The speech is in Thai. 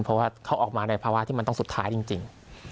เพราะว่าเขาออกมาในภาวะที่มันต้องสุดท้ายจริง